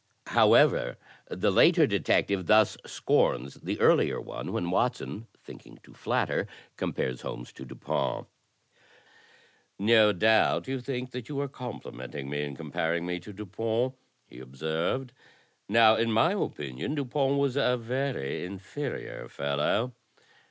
However, the later detective thus scorns the earlier one when Watson, thinking to flatter, compares Holmes to Dupin: " No doubt you think that you are complimenting me in compar ing me to Dupin," he observed. "Now, in my opim'on, Dupin was a very inferior fellow.